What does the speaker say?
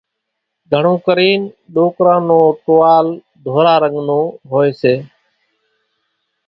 گھڻون ڪرينَ ڏوڪران نون ٽووال ڌورا رنڳ نون هوئيَ سي۔